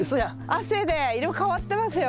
汗で色変わってますよ。